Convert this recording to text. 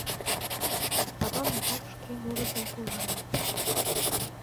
— Авам адак шке мурыжымак тӱҥале.